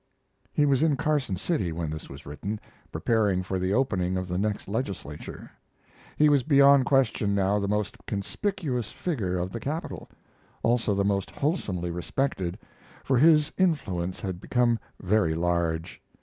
He was in Carson City when this was written, preparing for the opening of the next legislature. He was beyond question now the most conspicuous figure of the capital; also the most wholesomely respected, for his influence had become very large.